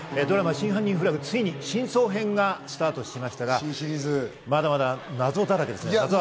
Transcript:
ドラマ『真犯人フラグ』、ついに真相編がスタートしましたが、まだまだ謎だらけです。